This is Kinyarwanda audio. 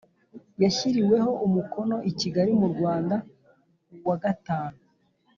yashyiriweho umukono i Kigali mu Rwanda kuwa gatanu